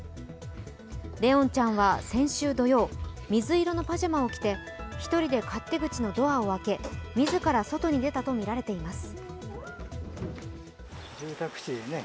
怜音ちゃんは先週土曜、水色のパジャマを着て１人で勝手口のドアを開け自ら外に出たとみられています。